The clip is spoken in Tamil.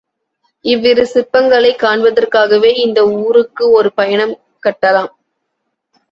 இவ்விரு சிற்பங்களைக் காண்பதற்காகவே இந்த ஊருக்கு ஒரு பயணம் கட்டலாம்.